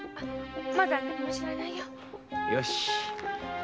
まだ知らないよ。